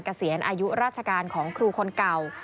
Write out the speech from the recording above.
เกษียณอายุราชการของครูคนเก่า